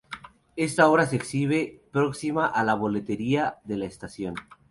Esta obra se exhibe próxima a la boletería de la estación.